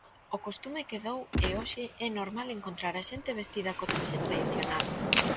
O costume quedou e hoxe é normal encontrar a xente vestida co traxe tradicional.